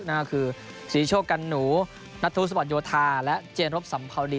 นั่นก็คือศรีโชคกันหนูนัทธุสวรรโยธาและเจนรบสัมภาวดี